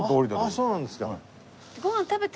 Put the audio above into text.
あっそうなんですか。